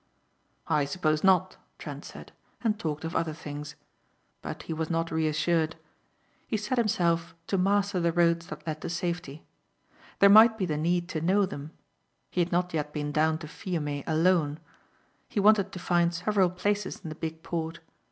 "I suppose not," Trent said and talked of other things. But he was not reassured. He set himself to master the roads that led to safety. There might be the need to know them. He had not yet been down to Fiume alone. He wanted to find several places in the big port.